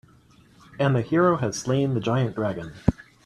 And the hero has slain the giant dragon.